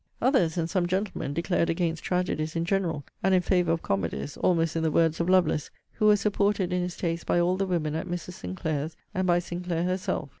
Others, and some gentlemen, declared against tragedies in general, and in favour of comedies, almost in the words of Lovelace, who was supported in his taste by all the women at Mrs. Sinclair's and by Sinclair herself.